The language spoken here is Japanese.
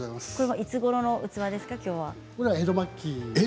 いつごろの器ですか？